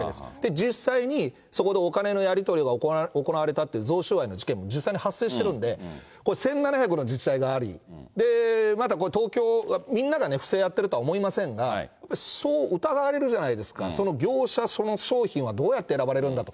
実際にそこでお金のやり取りが行われたっていう贈収賄の事件も実際に発生してるんで、これ、１７００の自治体があり、またこれ東京が、みんなが不正やってるとは思いませんが、そう疑われるじゃないですか、その業者、その商品は、どうやって選ばれるんだと。